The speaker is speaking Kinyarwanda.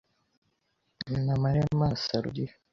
Na Maremma na Sarudiya